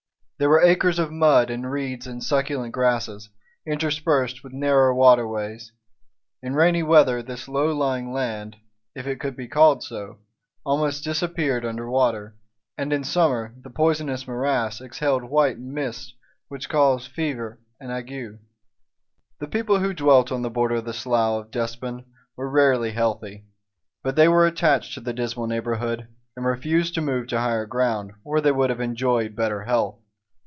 There were acres of mud and reeds and succulent grasses, interspersed with narrow waterways. In rainy weather this low lying land if it could be called so almost disappeared under water, and in summer the poisonous morass exhaled white mists which caused fever and ague. The people who dwelt on the border of the slough of despond were rarely healthy, but they were attached to the dismal neighborhood and refused to move to higher ground where they would have enjoyed better health.